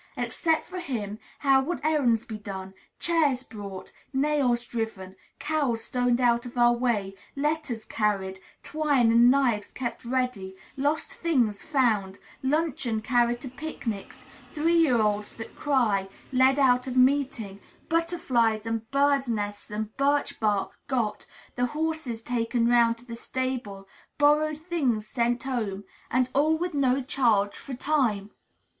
Except for him, how would errands be done, chairs brought, nails driven, cows stoned out of our way, letters carried, twine and knives kept ready, lost things found, luncheon carried to picnics, three year olds that cry led out of meeting, butterflies and birds' nests and birch bark got, the horse taken round to the stable, borrowed things sent home, and all with no charge for time?